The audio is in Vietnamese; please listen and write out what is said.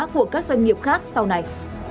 của các doanh nghiệp khác sau này